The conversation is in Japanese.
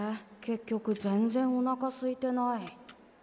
結局全然おなかすいてない。